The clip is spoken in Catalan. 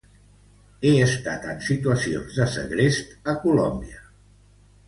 He estat en situacions de segrest a Colòmbia.